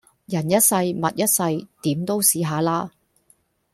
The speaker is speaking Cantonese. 人一世物一世，點都試下啦